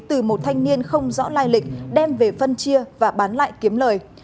từ một thanh niên không rõ lai lịch đem về phân chia và bán lại kiếm lời